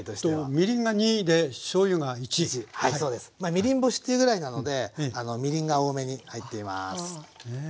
みりん干しっていうぐらいなのでみりんが多めに入っています。